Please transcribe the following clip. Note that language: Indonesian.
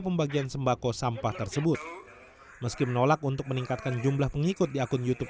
pembagian sembako sampah tersebut meski menolak untuk meningkatkan jumlah pengikut di akun youtube